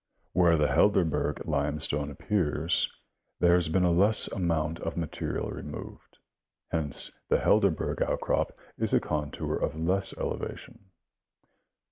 Where the Helderberg limestone appears, there has been a less amount of material removed ; hence the Helderberg outcrop is a contour of less elevation.